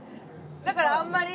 だからあんまり。